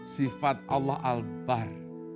sifat allah al bahr